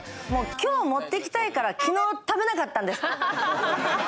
きょう持ってきたいから、きのう食べなかったんです。